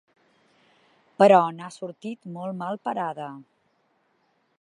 Però n’ha sortit molt mal parada.